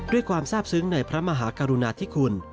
ด้วยความทราบซึ้งในพระมหากรุณาธิคุณ